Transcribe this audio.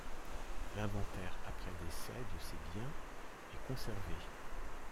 L'inventaire après-décès de ses biens est conservé.